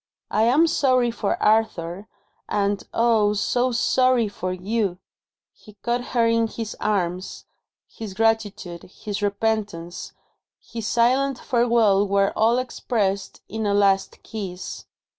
"I am sorry for Arthur and, oh, so sorry for You!" He caught her in his arms. His gratitude, his repentance, his silent farewell were all expressed in a last kiss.